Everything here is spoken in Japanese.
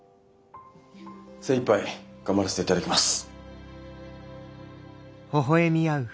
精いっぱい頑張らせていただきます！